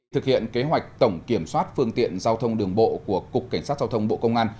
thực hiện kế hoạch tổng kiểm soát phương tiện giao thông đường bộ của cục cảnh sát giao thông bộ công an